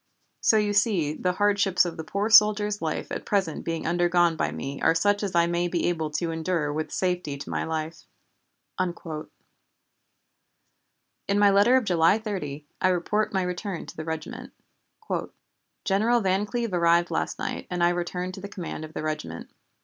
So you see the hardships of the poor soldier's life at present being undergone by me are such as I may be able to endure with safety to my life!" In my letter of July 30, I report my return to the regiment: "General Van Cleve arrived last night and I returned to the command of the regiment.